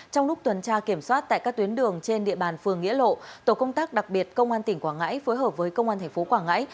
trong lúc tuần tra kiểm soát tại các tuyến đường trên địa bàn phường nghĩa lộ tổ công tác đặc biệt công an tỉnh quảng ngãi phối hợp với công an thành phố quảng ngãi